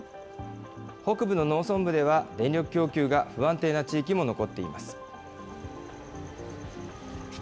北部の農村部では、電力供給が不安定な地域も残っています。